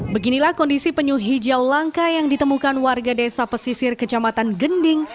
beginilah kondisi penyu hijau langka yang ditemukan warga desa pesisir kecamatan gending